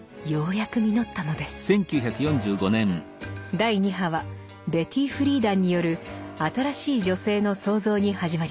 第二波はベティ・フリーダンによる「新しい女性の創造」に始まります。